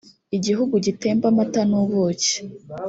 igihugu gitemba amata n’ubuki.